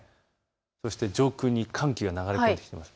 そして、上空に寒気が流れ込んできます。